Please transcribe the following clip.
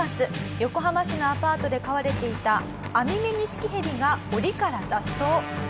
横浜市のアパートで飼われていたアミメニシキヘビが檻から脱走。